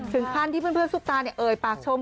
ถึงขั้นที่เพื่อนซุปตาเอ่ยปากชม